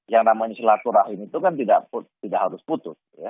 yang namanya silaturahim itu kan tidak harus putus